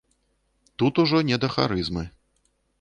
Тут ужо не да харызмы.